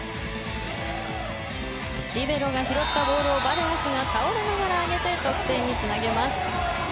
リベロが拾ったボールをバルガスが倒れながら上げて得点につなげます。